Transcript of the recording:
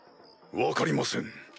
分かりません。